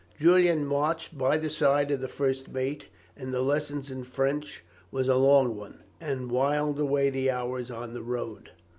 Julian marched by the side of the first mate, and the lesson in French was a long one, and whiled away the hours on the road.